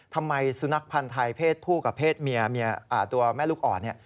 ทำไมสุนัขพันธ์ไทยเพศผู้กับเพศเมียตัวแม่ลูกอ่อนเนี่ย